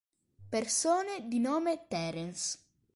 Persone di nome Terence